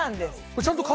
ちゃんと。